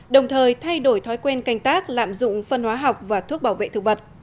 đồng thời thay đổi thói quen canh tác lạm dụng phân hóa học và thuốc bảo vệ thực vật